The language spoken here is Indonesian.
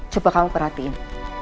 coba kamu perhatiin